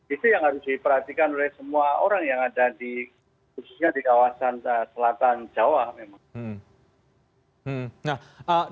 itu yang harus diperhatikan oleh semua orang yang ada di khususnya di kawasan selatan jawa memang